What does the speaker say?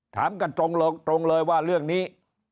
ถามกันตรงเลยว่าเรื่องนี้